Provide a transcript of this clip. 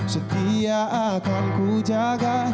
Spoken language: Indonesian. setia akan ku jaga